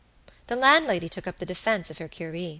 The landlady took up the defence of her curé.